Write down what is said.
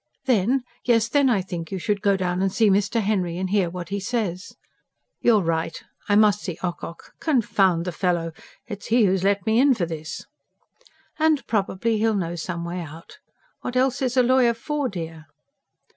Then ... yes, then, I think you should go down and see Mr. Henry, and hear what he says." "You're right. I must see Ocock. Confound the fellow! It's he who has let me in for this." "And probably he'll know some way out. What else is a lawyer for, dear?"